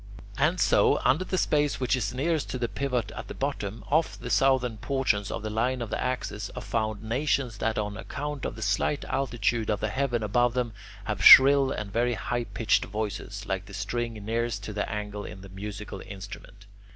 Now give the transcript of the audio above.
And so, under the space which is nearest to the pivot at the bottom, off the southern portions of the line of the axis, are found nations that on account of the slight altitude of the heaven above them, have shrill and very high pitched voices, like the string nearest to the angle in the musical instrument.